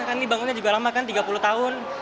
kan ini bangunnya juga lama kan tiga puluh tahun